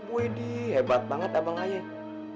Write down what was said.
waduh hebat banget abang ayah